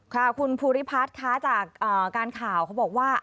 ค่ะคุณภูริพัฒน์คะจากการข่าวเขาบอกว่า